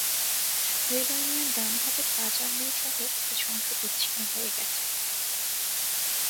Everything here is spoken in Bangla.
হৃদয় মিয়ার ডান হাতের পাঁচ আঙুলসহ কিছু অংশ বিচ্ছিন্ন হয়ে গেছে।